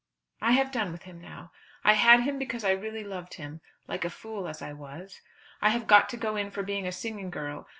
I have done with him now. I had him because I really loved him, like a fool as I was. I have got to go in for being a singing girl.